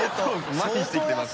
まひしてきてます。